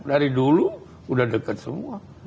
dari dulu udah deket semua